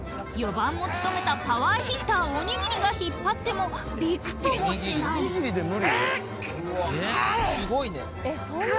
４番も務めたパワーヒッターおにぎりが引っ張ってもううっ！